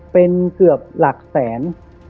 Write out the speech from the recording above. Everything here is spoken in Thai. เป็นเกือบหลักแสน